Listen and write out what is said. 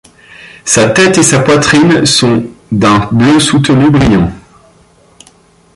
Sa tête et sa poitrine sont d'un bleu soutenu, brillant.